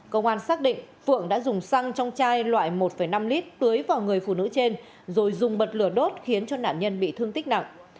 công an xác định phượng đã dùng xăng trong chai loại một năm lít tưới vào người phụ nữ trên rồi dùng bật lửa đốt khiến cho nạn nhân bị thương tích nặng